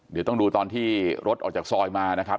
เดี๋ยวต้องดูตอนที่รถออกจากซอยมานะครับ